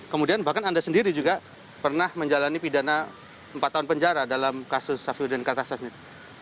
kemudian bahkan anda sendiri juga pernah menjalani pidana empat tahun penjara dalam kasus safirudin kartasaf ini